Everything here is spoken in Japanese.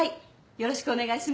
よろしくお願いします。